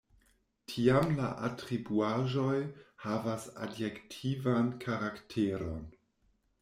Tiam la atribuaĵoj havas adjektivan karakteron.